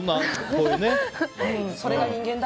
それが人間だ。